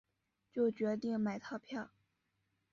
就决定买套票